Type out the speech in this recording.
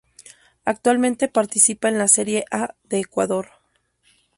Actualmente participa en la Serie A de Ecuador.